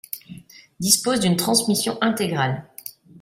Disposent d'une transmission intégrale.